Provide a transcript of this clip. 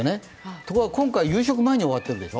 ところが今回、夕食前に終わってるでしょ。